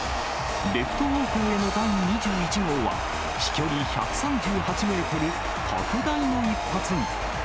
レフト方向への第２１号は、飛距離１３８メートル、特大の一発に。